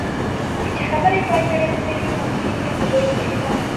چې خبرې یې پای ته رسېدلي ممکن د خبرو د ادامې.